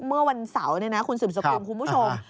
เมื่อวันเสาร์คุณสืบสกุลคุณผู้ชม